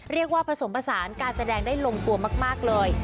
เรียกว่าผสมผสานการแสดงได้ลงตัวมากเลย